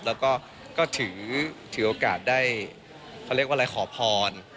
แล้วก็ถือโอกาสได้เขาเรียกว่าอะไรขอพร